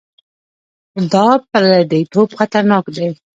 دا پرديتوب خطرناک دی.